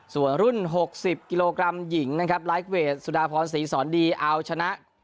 ส่วนรุ่น๖๐กิโลกรัมหญิงนะครับไลฟ์เวทสุดาพรศรีสอนดีเอาชนะ